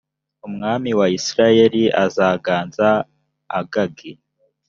umwami wa israheli azaganza agagi.